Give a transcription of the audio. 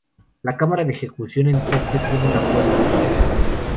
La cámara de ejecución en Tokio tiene una puerta trampa.